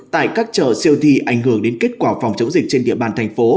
tại các chợ siêu thị ảnh hưởng đến kết quả phòng chống dịch trên địa bàn thành phố